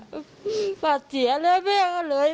แม่อย่างนี้ทิ๊กมาจากแกยินเนื่องถึงเนี่ย